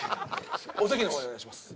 お席の方へお願いします